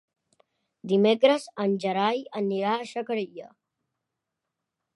Dimecres en Gerai anirà a Xacarella.